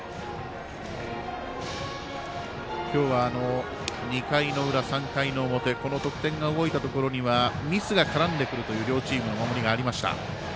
今日は、２回の裏、３回の表この得点が動いたところにはミスが絡んでくるという両チームの守りがありました。